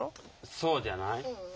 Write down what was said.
そうじゃない？